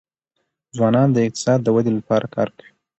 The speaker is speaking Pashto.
ځوانان د اقتصاد د ودي لپاره کار کوي.